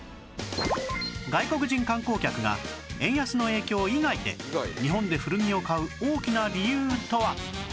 外国人観光客が円安の影響以外で日本で古着を買う大きな理由とは？